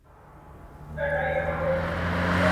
دا لالونه، غرونه، غرونه دمن زما دی.